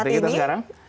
seperti kita sekarang